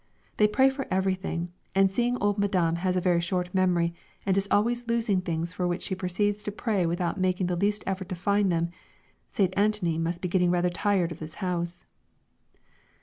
They pray for everything; and seeing old Madame has a very short memory, and is always losing things for which she proceeds to pray without making the least effort to find them, St. Antony must be getting rather tired of this house!